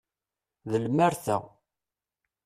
D lmerta.